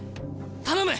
頼む！